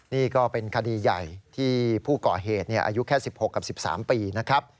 นี่ก็เป็นคดีใหญ่ที่ผู้ก่อเหตุอายุแค่๑๖กับ๑๓ปีนะครับ